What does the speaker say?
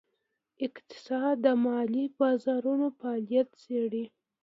اقتصاد د مالي بازارونو فعالیت څیړي.